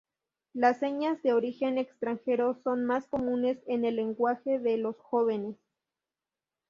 Las señas de origen extranjero son más comunes en el lenguaje de los jóvenes.